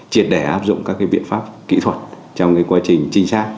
các biện pháp kỹ thuật trong quá trình trinh sát